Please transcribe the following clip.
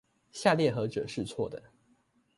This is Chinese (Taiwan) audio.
下列何者是錯的？